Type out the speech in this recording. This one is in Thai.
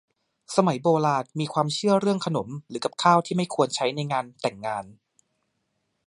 สมัยโบราณมีความเชื่อเรื่องขนมหรือกับข้าวที่ไม่ควรใช้ในงานแต่งงาน